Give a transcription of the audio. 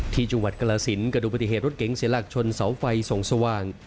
ที่จังหวัดกรสินเกิดดูปฏิเหตุรถเก๋งเสียหลักชนเสาไฟส่องสว่าง